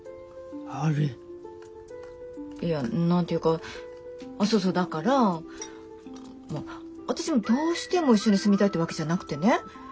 いや何て言うかあっそうそうだから私もどうしても一緒に住みたいってわけじゃなくてね。